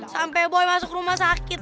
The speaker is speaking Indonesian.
sampe boy masuk rumah sakit